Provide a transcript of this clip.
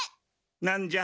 なんじゃ？